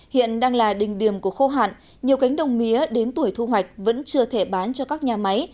hiện đang là đỉnh điểm của khô hạn nhiều cánh đồng mía đến tuổi thu hoạch vẫn chưa thể bán cho các nhà máy